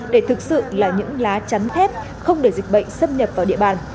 để thực sự là những lá chắn thép không để dịch bệnh xâm nhập vào địa bàn